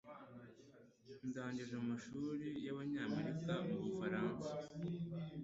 Ndangije amashuri y'Abanyamerika mu Bufaransa.